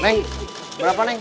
neng berapa neng